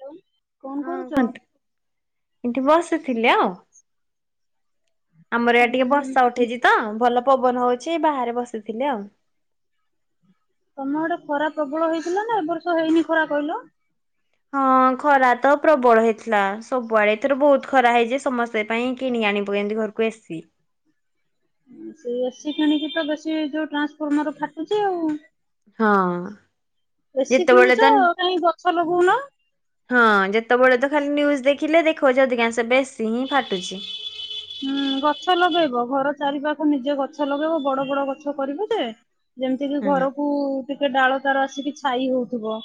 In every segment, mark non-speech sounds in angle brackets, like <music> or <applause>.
Hello କଣ ହଁ କରୁଛ? କୁହନ୍ତୁ ଏଠି ବସିଥିଲି ଆଉ। ଆମର ଆଡେ ଉୁଁ ଟିକେ ହୁଁ ବର୍ଷା ଉଠିଛି ତ ଭଲ ପବନ ହଉଛି ଏଇ ବାହାରେ ବସିଥିଲି ଆଉ। ତମ ଆଡେ ଖରା ପ୍ରବଳ ହେଇଥିଲା ନା ଏବ ବର୍ଷ ହେଇନି ଖରା କହିଲ? ହଁ ଖରା ତ ପ୍ରବଳ ହେଇଥିଲା ସବୁଆଡେ ଏଥର ବହୁତ ଖରା ହେଇଛି ସମସ୍ତେ ସେ ପାଇଁ କିଣି ଆଣି ପକେଇଛନ୍ତି ଘରକୁ ଏସି ସେଇ ଏସି କିଣିକି ତ ବେଶୀ ଯୋଉ ଟ୍ରାନ୍ସଫର୍ମର ଫାଟୁଛି ଆଉ। ହଁ ଏସି ଯେତେବେଳେ ତ କିଣୁଛ କାଇଁ ଗଛ ଲଗଉନ? ହଁ ଯେତେବେଳେ ତ ଖାଲି ନିଉଜ ଦେଖିଲେ ଦେଖଉଛି ଅଧିକାଂଶ ଏବେ ଏସି ହିଁ ଫାଟୁଛି। ହଁ ଗଛ ଲଗେଇବ ଘର ଚାରି ପାାଖ ନିଜେ ଗଛ ଲଗେଇବ ବଡ ବଡ ଗଛ କରିବୁ ଯେ ଯେମତିକି ହଁ। ଘରକୁ ଟିକେ ଡାଳ ତାର ଆସିକି ଛାଇ ହଉଥିବ।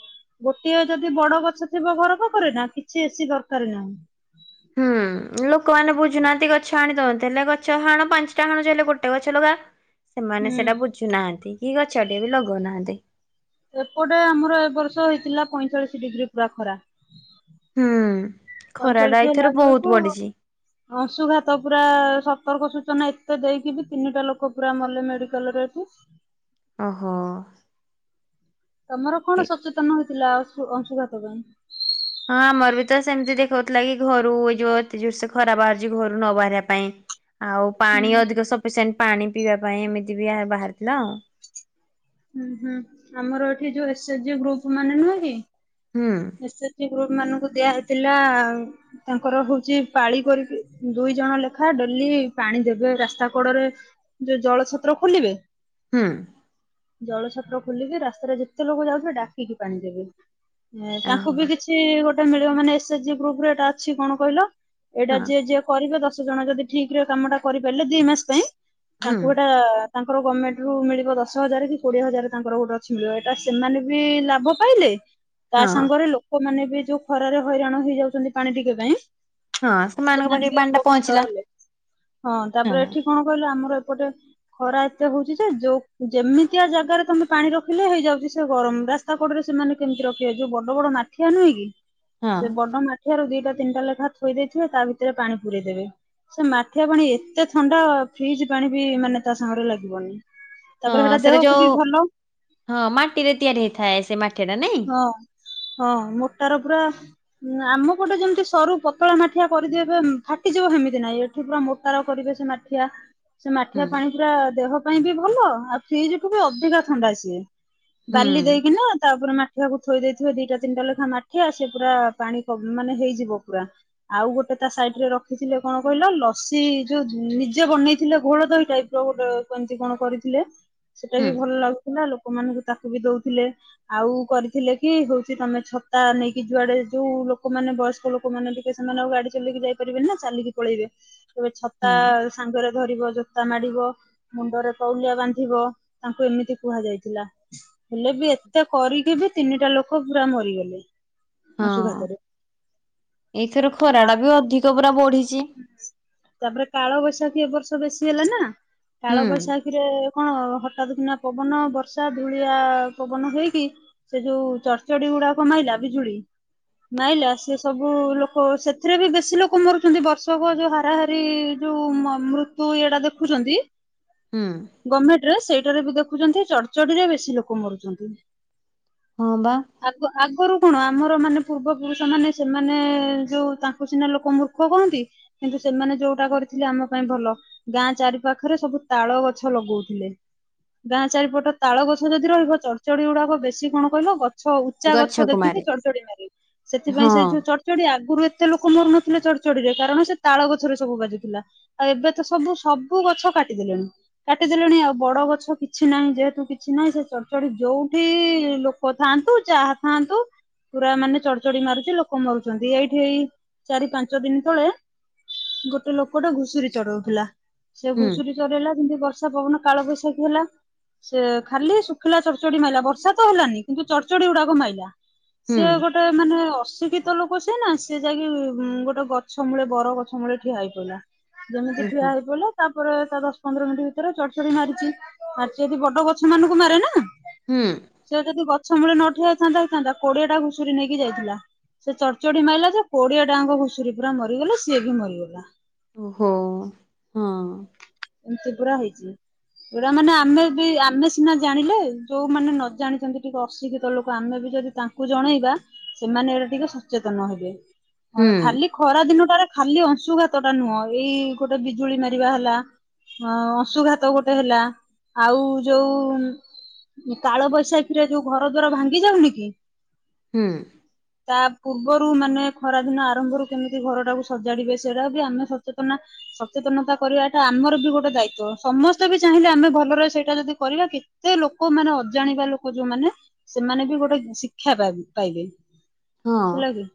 ଗୋଟିଏ ଯଦି ବଡ ଗଛ ଥିବ ଘର ପାଖରେ ନା କିଛି ଏସିି ଦରକାରେ ନାହିଁ। ହଁ ଲୋକମାନେ ବୁଝୁନାହାନ୍ତି ଗଛ ହାଣି ଦଉଛନ୍ତି ହେଲେ ଗଛ ହାଣ ପାଞ୍ଚଟା ହାଣୁଛ ହେଲେ ଗୋଟେ ଗଛ ଲଗାଅ। ସେମାନେ ହୁଁ ସେଟା ବୁଝୁନାହାନ୍ତି କି ଗଛଟିଏ ବି ଲଗଉନାହାଁନ୍ତି। ଏପଟେ ଆମର ଏ ବର୍ଷ ହେଇଥିଲା ପଇଁଚାଳିଶ ଡିଗ୍ରୀ ପୁରା ଖରା। ହଁ ଖରାଟା ପଇଁଚାଳିଶ ଏଇ ହେଲା ଥର ବେଳକୁ ବହୁତ ବଢିଛି। ଅଂଶୁଘାତ ପୁରା ସତର୍କ ସୂଚନା ଏତେ ଦେଇକି ବି ତିନିଟା ଲୋକ ପୁରା ମଲେ ମେଡିକାଲରେ ଏଠି। ଓହୋ। ତମର ଏ କଣ ସଚେତନ ହୋଇଥିଲା ଅଶୁ ଅଂଶୁଘାତ ପାଇଁ? ହଁ ଆମର ବି ତ ସେମତି ଦେଖଉଥିଲା କିି ଘରୁ ଏଇ ଯୋଉ ଏତେ ଜୋରସେ ଖରା ବାହାରୁଛି ଘରୁ ନ ବାହାରିବା ପାଇଁ। ଆଉ ପାଣି ହୁଁ ଅଧିକ ସଫିସିଏଣ୍ଟ ପାଣି ପିଇବା ପାଇଁ ଏମିତି ବି ବାହାରିଥିଲା ଆଉ। ହୁଁ ହୁଁ ଆମର ଏଠି ଯୋଉ ଏସ ଏଚ ଜି ଗ୍ରୁପ ମାନେ ନୁହେଁ କି ହୁଁ। ଏସ ଏଚ ଜି ଗ୍ରୁପ ମାନଙ୍କୁ ଦିଆହେଇ ଥିଲା ତାଙ୍କର ହଉଛି ପାଳି କରିକି ଦୁଇ ଜଣ ଲେଖା ଡେଲି ପାଣି ଦେବେ ରାସ୍ତା କୋଡରେ। ଯୋଉ ଜଳ ଛତ୍ର ଖୋଲିବେ। ହୁଁ। ଜଳ ଛତ୍ର ଖୋଲିକି ରାସ୍ତାରେ ଯେତେ ଲୋକ ଯାଉଥିବେ ଡାକିକି ପାଣି ଦେବେ। ତାଙ୍କୁ ବି ଓହୋ କିଛି ଗୋଟେ ମିଳିବ ମାନେ ଏସ୍ ଏଚ ଜି ଗ୍ରୁପରେ ଏଟା ଅଛି କଣ କହିଲ ଏଇଟା ହଁ ଯିଏ ଯିଏ କରିବେ ଦଶ ଜଣ ଯଦି ଠିକ ରେ ଏ କାମ ଟା କରିପାରିଲେ ଦି ମାସ ପାଇଁ ହୁଁ ତାଙ୍କୁ ଗୋଟା ତାଙ୍କର ଗଭର୍ଣ୍ମେଣ୍ଟ ରୁ ମିଳିବ ଦଶ ଦଶ ହଜାରେ କି କୋଡିଏ ହଜାରେ ତାଙ୍କର ଗୋଟେ ଅଛି ମିଳିବ ଏଟା ସେମାନେ ବି ଲାଭ ପାଇଲେ ତା ହଁ ସାଙ୍ଗରେ ଲୋ ଲୋକମାନେ ବି ଯୋଉ ଖରାରେ ହଇରାଣ ହେଇଯାଉଛନ୍ତି ପାଣି ଟିକେ ପାଇଁ ହଁ ସେମାନଙ୍କ ପାଖେ ସେମାନେ ବି ପାଣି ଟା ଉପକୃତ ପହଞ୍ଚିଲା। ହେଲେ। ହଁ ତାପରେ ଏଠି କଣ କହିଲ ଆମର ଏପଟେ ଖରା ଏତେ ହଉଛି ଯେ ଯୋଉ ଯେମିତିଆ ଜାଗାରେ ତମେ ପାଣି ରଖିଲେ ହେଇଯାଉଛି ସେ ଗରମ ରାସ୍ତା କଡରେ ସେମାନେ କେମିତି ରଖିବେ ଯୋଉ ବଡ ବଡ ମା ମାଠିଆ ନୁହେଁ କି ହଁ ସେ ବଡ ମା ଠିଆରୁ ଦିଟା ତିନଟା ଲେଖା ଥୋଇ ଦେଇଥିବେ ତା ଭିତରେ ପାଣି ପୁରେଇ ଦେବେ। ସେ ମାଠିଆ ପାଣି ଏତେ ଥଣ୍ଡା ଫ୍ରିଜ ପାଣି ବି ମାନେ ତା ସାଙ୍ଗରେ ଲାଗିବନି। ହଁ ତାପରେ ସେଇଟା ଦେହକୁ ଯଉ ବି ଭଲ। ହଁ ମାଟିରେ ତିଆରି ହେଇଥାଏ ସେ ମାଠିଆ ଟା ନାଇଁ? ହଁ ହଁ ମୋଟାର ପୁରା ଉଁ ଆମପଟେ ଯେମିତି ସରୁ ପତଳା ମାଠିଆ କରିଦେବେ ଫାଟିଯିବ ସେମିତି ନାହିଁ ଏଠି ପୁରା ମୋଟାର କରିବେ ସେ ମା ମାଠିଆ ସେ ମାଠିଆ ହୁଁ ପାଣି ପୁରା ଦେହ ପାଇଁ ବି ଭଲ ଆଉ ଫ୍ରିଜ ଠୁ ବି ଅଧିକା ଥଣ୍ଡା ସିଏ। ହୁଁ ବାଲି ଦେଇକିନା ତାପରେ ମା ମାଠିଆ କୁ ଥୋଇ ଦେଇଥିବେ ଦିଟା ତିନଟା ଲେଖା ମାଠିଆ ସେ ପୁରା ପାଣି ମାନେ ହେଇଯିବ ପୁରା। ଆଉ ଗୋଟେ ତା ସାଇଡ ରେ ରଖିଥିଲେ କଣ କହିଲ ଲସି ଯୋଉ ନିଜେ ବନେଇଥିଲେ ଘୋଳ ଦହି ଟାଇପ <unintelligible> କେମିତି କଣ କରିଥିଲେ ସେଟା ହୁଁ ବି ଭଲ ଲାଗୁଥିଲା ଲୋକମାନଙ୍କୁ ତାକୁ ବି ଦଉଥିଲେ। ଆଉ କରିଥିଲେ କି ହଉଛି ତମେ ଛତା ନେଇକି ଯୁଆଡେ ଯୋଉ ଲୋକମାନେ ବୟସ୍କ ଲୋକ ଲୋକମାନେ ଟିକେ ସେମାନେ ଆଉ ଗାଡି ଚଲେଇକି ଯାଇପାରିବେନି ନା ଚାଲିକି ପଳେଇବେ। ତେବେ ଛତା ହଁ ସାଙ୍ଗରେ ଧରିବ ଜୋତା ମାଡିବ ମୁଣ୍ଡରେ ତଉଲିଆ ବାଁ <unintelligible> ବ ତାଙ୍କୁ ଏମିତି କୁହାଯାଇଥିଲା। ହେଲେ ବି ଏତେ କରିକି ବି ତିନିଟା ଲୋକ ପୁରା ମରିଗଲେ। ହଁ। ଅଂଶୁଘାତରେ। ଏଇଥର ଖରା ଆ ଟା ବି ଅଧିକ ପୁରା ବଢିଛି। ତାପରେ କାଳବୈଶାଖୀ ଏ ବର୍ଷ ବେଶୀ ହେଲା ନା ହୁଁ କାଳବୈଶାଖୀ <unintelligible> କଣ ହଠାତ କିନା ପବନ ବର୍ଷା ଧୁଳିଆ ପବନ ହୋଇକି ସେ ଯୋଉ ଚରଚଡି ଗୁଡାକ ମାଇଲା ବିଜୁଳି ମାଇଲା ସେ ସବୁ ଲୋକ ସେଥିରେ ବି ବେଶୀ ଲୋକ ମରୁ ବର୍ଷକ ଯୋଉ ହାରାହାରି ଯୋଉ ମୃତ୍ୟୁ ଇଏ ଟା ଦେଖୁଛନ୍ତି ହୁଁ। ଗଭର୍ମେଣ୍ଟ ରେ ସେଇଟାରେ ବି ଦେଖୁଛନ୍ତି ଚଡଚଡି ରେ ବେଶୀ ଲୋକ ମରୁଛନ୍ତି। ହଁ ବା। ଆଗ ଆଗରୁ କଣ ଆମର ମାନେ ପୂର୍ବ ପୁରୁଷ ମାନେ ସେମାନେ ଯୋଉ ତାଙ୍କୁ ସିନା ଲୋକ ମୂ ମୂର୍ଖ କହନ୍ତି କିନ୍ତୁ ସେମାନେ ଯୋଉଟା କରିଥିଲେ ଆମ ପାଇଁ ଭଲ। ଗାଁ ଚାରି ପାାଖରେ ସବୁ ତାଳ ଗଛ ଲଗଉଥିଲେ। ଗାଁ ଚାରିପଟ ତାଳ ଗଛ ଯଦି ରହିବ ଚଡ଼ଚଡି ଗୁଡାକ ବେଶୀ କଣ କହିଲ ଗଛ, ଉଚା ଗଛ ଗଛକୁ ଦେଖିକି ମାରେ ଚଡ଼ଚଡି ମାରେ, ହଁ ସେଥିପାଇଁ ସେ ଯୋଉ ଚଡ଼ ଯଦି ଆଗରୁ ଏତେ ଲୋକ ମରୁ ନଥିଲେ ଚଡ଼ ଚଡିଯାଏ କାରଣ ସେ ତାଳ ଗଛରେ ସବୁ ବାଜିଥିଲା, ଆଉ ଏବେ ତ ସବୁ ସବୁ ଗଛ କାଟିଦେଲେଣି। କାଟିଦେଲେଣି, ଆଉ ବଡ ଗଛ କିଛି ନାହିଁ ଯେହେତୁ କିଛି ନାହିଁ ସେ ଚଡ଼ଚଡି ଯୋଉଠି ଲୋ କୋ ଥାନ୍ତୁ, ଚାହା ଥାନ୍ତୁ ପୁରା ମାନେ ଚଢ ଚଢି ମାରୁଛି, ଲୋକ ମରୁଛନ୍ତି, ଏଇଠି ଏଇ ଚାରି ପାଞ୍ଚ ପାଞ୍ଚ ଦିନ ତଳେ ଗୋଟେ ଲୋକଟା ଘୁଷୁରୀ ଚଢଉଥିଲା, ସେ ହୁଁ ଘୁଷୁରୀ ଚରେଇଲା, ଯେମିତି ବର୍ଷା ପବନ କାଳବୈଶାଖୀ ହେଲା। ସେ ଖାଲି ଶୁଖିଲା ଚଡ଼ଚଡି ମାଇଲା, ବର୍ଷା ତ ହେଲାନି କିନ୍ତୁ ଚଡ଼ଚଡି ଗୁଡାକୁ ମାଇଲା। ହୁଁ ସିଏ ଗୋଟେ ମାନେ ଅଶିକ୍ଷିତ ଲୋକ ସିଏ ନା ସି ଯାଇକି ଗୋ ଗୋଟ ଗଛ ମୂଳେ, ବର ଗଛ ମୂଳେ ଠିଆ ହେଇ ପଇଲା, ଯେମିତି ଓହୋ ଠିଆ ହେଇ ପଲା। ତାପରେ ତା ଦଶ ପନ୍ଦର ମିନିଟ୍ ଭିତରେ ଚଡ଼ଚଡି ମାରିଛି, ମାରିଚି ଯଦି ବଡ ଗଛ ମାନଙ୍କୁ ମାରେ ନା? ହୁଁ। ସେ ଯଦି ଗଛ ମୂଳେ ନଠିଆଇଥାନ୍ତା ହେଇଥାନ୍ତା, କୋଡିଆ ଟା ଘୁଷୁରୀ ନେଇକି ଯାଇଥିଲା। ସେ ଚଡ଼ଚଡ଼ି ମାଇଲା ଯେ କୋଡିଏ ଟାଙ୍କ ଘୁସୁରୀ ପୁରା ମରିଗଲା, ସିଏ ବି ମରିଗଲା। ଓହୋ, ହଁ। ଏମିତି ପୁରା ହେଇଛି। ଏରା ମାନେ ଆମେ ବି ଆମେ ସିନା ଜାଣିଲେ, ଯୋଉମାନେ ନ ଜାଣିଛନ୍ତି ଟିକେ ଅଶିକ୍ଷିତ ଲୋକ ଆମେ ବି ଯଦି ତାଙ୍କୁ ଜଣେଇବା, ସେମାନେ ଏଟା ଟିକେ ସଚେତନ ହେବେ। ହଁ ହୁଁ ଖାଲି ଖରା ଦିନ ଟାରେ ଖାଲି ଅଂଶୁଘାତ ଟା ନୁହଁ ଏଇ ଗୋଟେ ବିଜୁଳି ମାର ଯିବା ହେଲା, ହଁ ଅଶୁଘାତ ଗୋଟେ ହେଲା ଆଉ ଯୋଉ- କାଳବୈଶାଖୀରେ ଯୋଉ ଘର ଦ୍ୱାର ଭାଙ୍ଗି ଯାଉନି କି? ହୁଁ। ହଁ ତା ପୂର୍ବରୁ ମାନେ ଖରାଦିନ ଆରମ୍ଭରୁ କେମିତି ଘର ଟାକୁ ସଜାଡିବେ, ସେରା ବି ଆମେ ସଚେତନ ସଚେତନତା କରିବାଟା ଆମର ବି ଗୋଟେ ଦାୟିତ୍ଵ, ସମସ୍ତେ ବି ଚାହିଁଲେ ଆମେ ଭଲରେ ସେଇଟା ଯଦି କରିବା କି ଏଇ ଲୋକ ମାନେ ଅଜାଣିବା ଲୋକ ଯୋଉମାନୋନ ସେମାନେ ବି ଗୋଟେ ଶିକ୍ଷା <unintelligible> ପାଇବେ ହଁ ହେଲାଗି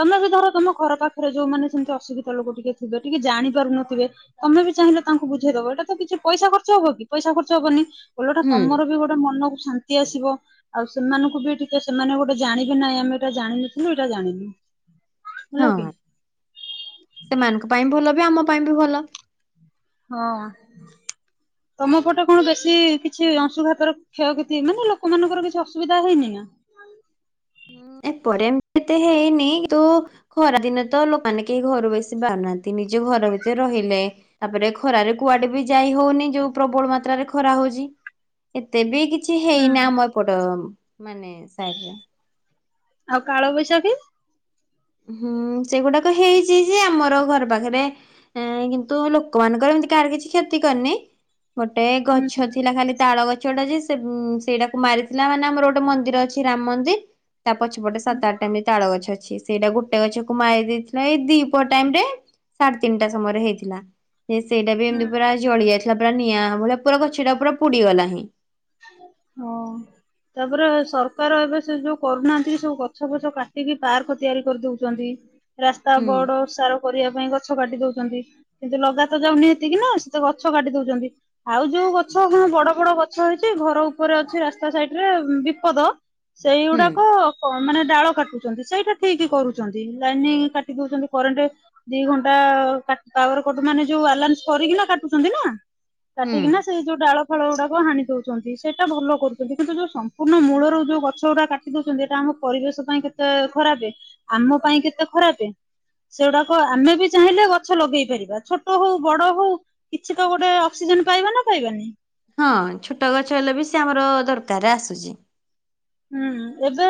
ତମେ ବି ଧର ତମ ଘର ପାଖରେ ଯୋଉମାନେ ସେମିତି ଅସୁବିଧା ଲୋକ ଟିକେ ଥିବେ, ଟିକେ ଜାଣି ପାରୁନଥିବେ। ତମେ ବି ଚାହିଁଲେ ତାଙ୍କୁ ବୁଝେଇଦବ, ଏଇଟା ତ କିଛି ପଇସା ଖର୍ଚ୍ଚ ହବ କି ପଇସା ଖର୍ଚ ହବନି ଓଲଟା ହୁଁ ତମର ବି ଗୋ ମନକୁ ଶାନ୍ତି ଆସିବ। ଆଉ ସେମାନଙ୍କୁ ବି ଟିକେ ସେମାନେ ଗୋଟେ ଜାଣିକି ନାଇଁ ଆମେ ଏଇଟା ଜାଣିନଥିଲୁ, ଏଇଟା ଜାଣିଲୁ। ହଁ, ହେଲା କି ସେମାନଙ୍କ ପାଇଁ ଭଲ ବି ଆମ ପାଇଁ ବି ଭଲ। ହଁ, ତମ ପଟେ କଣ ବେଶୀ କିଛି ଅଂଶୁଘାତର କ୍ଷୟକ୍ଷତି ମାନେ ଲୋକମାନଙ୍କର କିଛି ଅସୁବିଧା ହେଇନି ନା? ଏ ପଟେ ଏମ ଏତେ ହେଇନି, ତୁ ଖରା ଦିନେ ତ ଲୋମାନେ କେହି ଘରୁ ବସିି ବାହାରୁନାହାନ୍ତି, ନିଜ ଘର ଭିତରେ ରହିଲେ। ତାପରେ ଖରାରେ କୁଆଡେ ବି ଯାଇ ହଉନି, ଯୋଉ ପ୍ରବଳ ମାତ୍ରାରେ ଖରା ହଉଛି। ଏତେବି କିଛି ହୁଁ। ହେଇନି ଆମ ଏପଟ, ମାନେ ସାଇଡରେ। ଆଉ କାଳବୈଶାଖି? ହୁଁ ସେଗୁଡାକ ହେଇଛି, ଯେ ଆମର ଘର ପାଖରେ ନାଇଁ କିନ୍ତୁ ଲୋକମାନଙ୍କର ଏମିତି କାହାର କିଛି କ୍ଷତି କରିନି। ଗୋଟେ ହୁଁ ଗଛ ହୁଁ ଥିଲା ଖାଲି, ତାଳ ଗ ଛଟା ଯେ ସେଇଟାକୁ ମାରିଥିଲା ମାନେ ଆମର ଗୋଟେ ମନ୍ଦିର ଅଛି ରାମ ମନ୍ଦିର ତା ପଛପଟେ ସାତ ଆଠଟା ଏମିତି ତାଳ ଗଛ ଅଛି। ସେଇଟା ଗୋଟେ ଗଛକୁ ମାରି ଦେଇଥିଲା ଏଇ ଦିପର ଟାଇମ ରେ ସାଢେ ତିନିଟା ସମୟରେ ହେଇଥିଲା। ସେଇଟା ବି ଏମିତି ହୁଁ। ପୁରା ଜଳି ଯାଇଥିଲା ପୁରା ନିଆଁ ଭଳି ପୁରା ଗଛ ଟା ପୁରା ପୋଡିଗଲା ହେଁ। ହଁ। ତାପରେ ସରକାର ଏବେ ସେ ଯୋଉ କରୁନାହାନ୍ତି ସବୁ ଗଛ ଫଛ କାଟିକି ପାର୍କ ତିଆରି କରିଦଉଛନ୍ତି। ରାସ୍ତା ହୁଁ ବଡ ଓସାର କରିବା ପାଇଁ ଗଛ କାଟି ଦଉଛନ୍ତି। କିନ୍ତୁ ଲଗାତ ଯାଉନି ଏତିକି ନା ସେତେ ଗଛ କାଟି ଦଉଛନ୍ତି ଆଉ ଯୋଉ ଗଛ କଣ ବଡ ବଡ ଗଛଇ ଘର ଉପରେ ଅଛି ରାସ୍ତା ସାଇଡ ରେ ବିପଦ ହୁଁ ସେଇଗୁଡାକ ମାନେ ଡାଳ କାଟୁଛନ୍ତି ସେଇଟା ଠିକ କରୁଛନ୍ତି ଲାଇନିଂ କାଟି ଦଉଛନ୍ତି କରେଣ୍ଟ ଦି ଘଣ୍ଟାା ପାୱାର କଟ ମାନେ ଯୋଉ ଆଲାନ୍ସ କରିକି ନା କାଟୁଛନ୍ତି ନା ହୁଁ କାଟିକିନା ସେଇ ଯୋଉ ଡାଳ ଫାଳ ଗୁଡାକ ହାଣି ଦଉଛି। ସେଇଟା ଭଲ କରୁଛନ୍ତି କିନ୍ତୁ ଯୋଉ ସମ୍ପୂର୍ଣ୍ଣ ମୂଳରୁ ଯୋଉ ଗଛ ଗୁଡା କାଟି ଦେଉଛନ୍ତି ସେଇଟା ଆମ ପରିବେଶ ପାଇଁ ଖରାପେ ଆମ ପାଇଁ କେତେ ଖରାପେ ସେଗୁଡାକ ଆମେ ବି ଚାହିଁଲେ ଗଛ ଲଗେଇ ପାରିବା ଛୋଟ ହଉ ବଡ ହଉ କିଛି ତ ଗୋଟେ ଅକ୍ସିଜେନ ପାଇବା ନା ପାଇବାନି? ହଁ ଛୋଟ ଗଛ ହେଲେ ବି ସେ ଆମର ଦରକାର ଆସୁଛି? ହୁଁ ଏବେ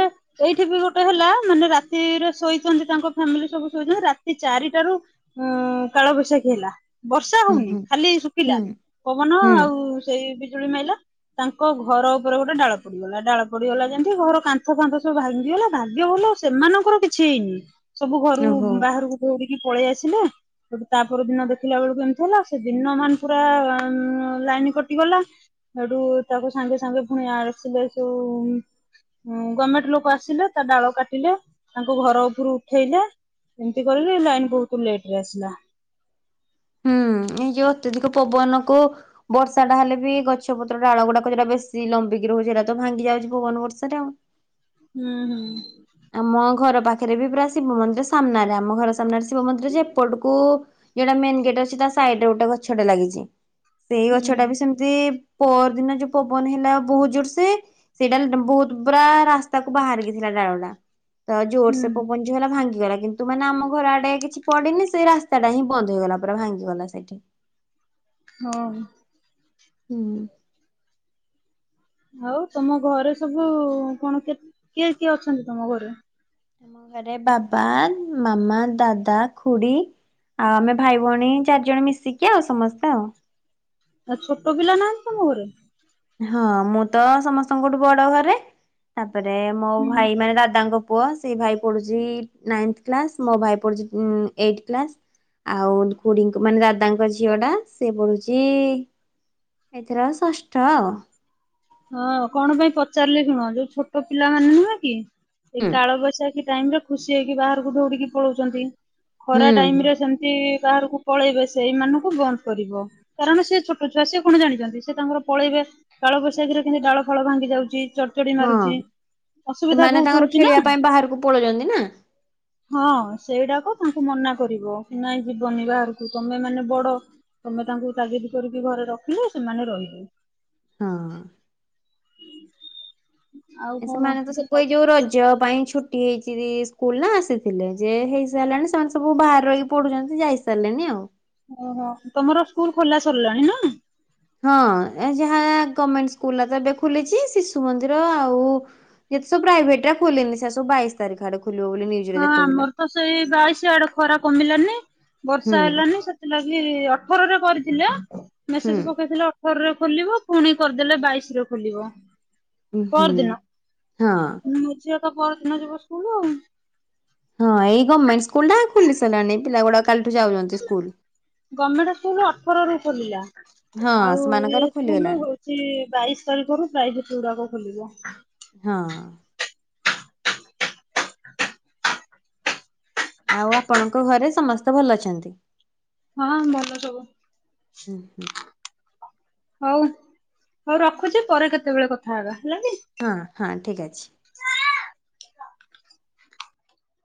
ଏଇଠି ବି ଗୋଟେ ହେଲା ମାନେ ରାତିରେ ଶୋଇଛନ୍ତି ତାଙ୍କ ଫ୍ୟାମିଲି ସବୁ ଶୋଇଛନ୍ତି ରାତି ଚାରିଟା ରୁ ହୁଁ କାଳବୈଶାଖୀ ହେଲା ବର୍ଷା ହୁଁ ହଉନି ହୁଁ ଖାଲି ଶୁଖିଲା ହୁଁ ପବନ ହୁଁ। ଆଉ ସେଇ ବିଜୁଳି ମାଇଲା ତାଙ୍କ ଘର ଉପରେ ଗୋଟେ ଡାଳ ପଡିଗଲା ଡାଳ ପଡିଗଲା ଯେମତି ଘର କାନ୍ଥ ଫାନ୍ଥ ସବୁ ଭାଙ୍ଗିଗଲା ଭାଗ୍ୟ ଭଲ ସେମାନଙ୍କର କିଛି ହେଇନି। ସବୁ ଘରୁ ଓହୋ ବାହାରକୁ ଦୌଡିକି ପଳେଇ ଆସିଲେ। ସେଠୁ ତାପ ଦିନ ଦେଖିଲା ବେଳକୁ ଏମିତି ହେଲା ସେ ଦିନ ମାନ୍ ପୁରା ଉଁ ଲାଇନ କଟିଗଲା। ସେଠୁ ତାକୁ ସାଙ୍ଗେ ସାଙ୍ଗେ ପୁଣି ଆସିଲେ ସବୁ ଉଁ ଗମେଣ୍ଟ ଲୋକ ଆସିଲେ ତା ଡାଳ କାଟିଲେ ତାଙ୍କୁ ଘର ଉପରୁ ଉଠେଇଲେ। ଏମିତି କରିଲେ ଲାଇନ ବହୁତ ଲେଟ୍ ରେ ଆସିଲା। ହୁଁ ଏଇ ଯୋଉଁ ଅତ୍ୟଧିକ ପବନକୁ। ବର୍ଷାଟା ହେଲେ ବି ଗଛ ପତ୍ର ଡ଼ାଳ ଗୁଡାକ ଯେଉଟା ବେଶୀ ଲମ୍ବିକି ରହୁଛି ହେରାତ ତ ଭଙ୍ଗି ଯାଉଛି ପବନ ବର୍ଷା ରେ ଆଉ। ହୁଁ ହୁଁ। ଆମ ଘର ପାଖେରେ ବି ପୁରା ଶିବ ମନ୍ଦିର ସାମ୍ନାରେ ଆମ ଘର ସାମ୍ନାରେ ଶିବ ମନ୍ଦିର ଯେ ଏପଟକୁ? ଯୋଉଟା ମେନ୍ ଗେଟ୍ ଅଛି ତା ସାଇଡ୍ ରେ ଗୋଟେ ଗଛଟେ ଲାଗିଛି, ସେଇ ଗଛଟା ବି ସେମ ତି ପହର୍ଦିନ ଯୋଉ ପବନ ହେଲା ବୋହୁତ୍ ଜୋର୍ ସେ। ସେଇଟା ବହୁତ ପୁରା ରାସ୍ତା କୁ ବାହାରିକି ଥିଲା ଡାଳଡା ତ ଜୋର୍ ହୁଁ ସେ ପବନ୍। ଜୋ ହେଲା ଭାଙ୍ଗିଗଲା କିନ୍ତୁ ମାନେ ଆମ ଘର ଆଡେ କିଛି ପଡିନି ସେ ରାସ୍ତାଟା ହିଁ ବନ୍ଦ ହେଇଗଲା ପୁରା ଭାଙ୍ଗିଗଲା ସେଠି। ହଁ। ହୁଁ। ଆଉ ତମ ଘରେ ସବୁ କଣ କେ କିଏ କିଏ ଅଛନ୍ତି ତମ ଘରେ? ଆମ ଘରେ ବାବା, ମାମା, ଦାଦା, ଖୁଡି। ଆଉ ଆମେ ଭାଇ, ଭଉଣୀ ଚାରିଜଣ ମିଶିକି ଆଉ ସମସ୍ତେ ଆଉ। ଆ ଛୋଟ ପିଲା ନାହାନ୍ତି ତମ ଘରେ? ହଁ ମୁଁ ତ ସମସ୍ତଙ୍କଠୁ ବଡ ଘରେ ତାପରେ ମୋ ହୁଁ ଭାଇ ମାନେ ଦାଦାଙ୍କ ପୁ ପୁଅ ସେ ଭାଇ ପଢୁଛି ନାଇଥ୍ କ୍କ୍ଲାସ୍ ମୋ ଭାଇ ପଢୁଛି ଉଁ ଏଇଟ୍ କ୍ଲାସ୍। ଆଉ ଖୁଡିଙ୍କ ମାନେ ଦାଦାଙ୍କ ଝିଅ ଟା ସେ ପଢୁଛି। ଏଥର ଷଷ୍ଠ। ହଁ କଣ ପାଇଁ ପଚାରିଲି ଶୁଣ ଯୋଉ ଛୋଟ ପିଲା ମାନେ ନୁହଁ କି ଏ ହୁଁ କାଳ ବୈଶାଖୀ। ଟାଇମ୍ ରେ ଖୁସି ହେଇକି ବାହାରକୁ ଦୌଡିକି ପଳଉଛନ୍ତି ଖରା ହୁଁ। ଟାଇମ୍ ରେ ସେମ୍ ଯଦି ବାହାରକୁ ପଳେଇବେ ସେଇମାନଙ୍କୁ ବନ୍ଦ କରିବ। କାରଣ ସେ ଛୋଟ ଛୁଆ ସେ କଣ ଜାଣିଛନ୍ତି, ସେ ତାଙ୍କର ପଳେଇବେ କାଳ ବୈଶା- ବୈଶାଖୀରେ କେମିତି ଡାଳ ଫାଳ ଭାଙ୍ଗି ଯାଉଛି, ଚଡ୍ ଚଡ୍ ଚଡି ହଁ ମାରୁଛି ଅସୁବିଧା ସେମାନେ ବହୁତ ତାଙ୍କର ହଉଛି ଛିନା। ଖେଳିବା ପାଇଁ ବାହାରକୁ ପଳଉଛନ୍ତି ନା ହଁ ସେଇଟାକୁ ତାଙ୍କୁ ମନା କରିବ ନାଇଁ ଯିବନି ବାହାରକୁ ତମେ ମାନେ ବଡ। ତମେ ତାଙ୍କୁ ତାଗିଦ୍ କରିକି ଘରେ ରଖିଲେ ସେମାନେ ରହିବେ। ହଁ। <inaudible> ଏ କଣ ସେମାନେ ତ ଆଉ ସେପଇ କଣ ଯୋଉ କୁହ ରଜ୍ ରଜ ପାଇଁ ଛୁଟି ହେଇଛି ସ୍କୁଲ ନା ସେଥିଲାଗି ଯେ ହେଇସାରିଲାଣି ସେମାନେ ସବୁ ବାହାର୍ ରହିକି ପଢ଼ୁଛନ୍ତି ଯାଇ ସାରିଲେଣି ଆଉ। ଓହୋ ତମର ସ୍କୁଲ ଖୋଲା ସରିଲାଣି ନା? ହଁ ଏଯାହା ଗର୍ମେଣ୍ଟ ସ୍କୁଲ ଗୁରା ଏବେ ଖୁଲିଛି, ଶିଶୁ ମନ୍ଦିର ଆଉ ଯେତ୍ ସବୁ ପ୍ରାଇଭେଟ୍ ଖୁଲିନି ସେ ସବୁ ବାଇଶି ତାରିଖ ଆଡେଖୁଲିବ ବୋଲି ନି ହଁ ଆମର ତ ସେଇ ବାଇଶି ଆଡେ ଖରା କମିଲାନି ହୁଁ ବର୍ଷା ହେଲାନି ସେ ଥିଲା କି ଅଠରରେ କରିଥିଲ ହୁଁ ମେସେଜ ପକେଇଥିଲା ଅ - ଅଠରରେ ଖୁଲିବ ପୁଣି କରିଦେଲେ ବାଇଶ୍ ରେ ଖୋଲିବ। ହୁଁ ପର୍ ଦିନ ହଁ। ହୁଁ ମୋ ଝିଅ ତ ପହର୍ ଦିନ ଯିବ ସ୍କୁଲ ଆଉ। ହଁ ଏଇ ଗମେଣ୍ଟ ସ୍କୁଲ ଟା ଖୁଲି ସାଇଲାଣି ପିଲା ଗୁଡାକ୍ କାଲିଠୁ ଯାଉଛ <unintelligible> ଗମେଣ୍ଟ ସ୍କୁଲ ଅଠର ରୁ ଖୋଲିଲା। ହଁ ଆଉ ସେମାନଙ୍କର ଏ ସ୍କୁଲ ଖୋଲିଗଲାଣି ହଉଛି ବାଇଶି ତାରିଖରୁ ପ୍ରାଏଭେଟ୍ ଗୁଡାକ ଖୋଲିବ? ହଁ। ଆଉ ଆପଣଙ୍କ ଘରେ ସମସ୍ତେ ଭଲ ଅଛନ୍ତି? ହଁ ଭଲ ସବୁ ହୁଁ ହୁଁ ହଉ ହଉ ରଖୁଛି ପରେ କେତେବେଳେ କଥା ହେବା ହେଲା କି ହଁ ହଁ ଠିକ ଅଛି